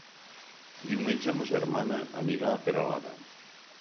Diumenge ma germana anirà a Peralada.